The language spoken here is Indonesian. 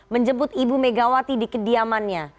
menjemput ibu megawati di kediamannya